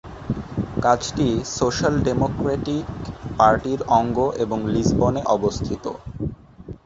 কাগজটি social democratic পার্টির অঙ্গ এবং লিসবনে অবস্থিত।